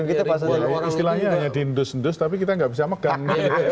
istilahnya hanya diendus endus tapi kita tidak bisa menganggap